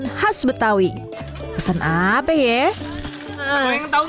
yuk kita udah siap kulineran yuk kita udah siap kulineran yuk kita udah siap kulineran